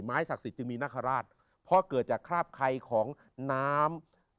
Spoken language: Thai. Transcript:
ศักดิ์สิทธิจึงมีนคาราชเพราะเกิดจากคราบไคของน้ำ